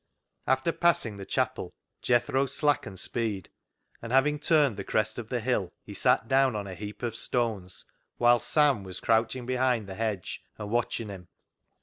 After passing the chapel, Jethro slackened speed, and having turned the crest of the hill, he sat down on a heap of stones, whilst Sam was crouching behind the hedge and watching him.